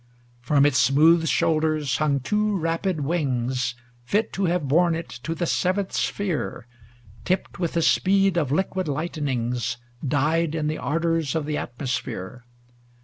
XXXVII From its smooth shoulders hung two rapid wings, Fit to have borne it to the seventh sphere, Tipped with the speed of liquid lightnings. Dyed in the ardors of the atmosphere.